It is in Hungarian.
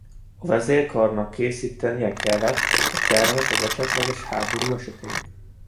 A vezérkarnak készítenie kellett egy tervet az esetleges háború esetén.